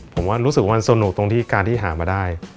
ผมว่ารู้สึกว่ามันสนุกตรงที่การที่หามาได้